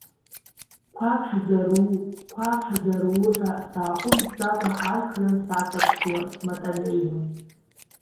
Қәак ҳзару, қәак ҳзару ҳәа сааҟәымҵӡакәа ажәҩан саҵаԥшуа сматанеиуан.